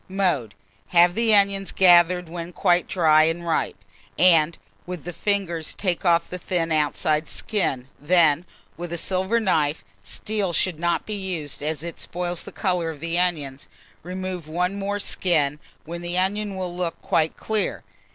Mode. Have the onions gathered when quite dry and ripe, and, with the fingers, take off the thin outside skin; then, with a silver knife (steel should not be used, as it spoils the colour of the onions), remove one more skin, when the onion will look quite clear.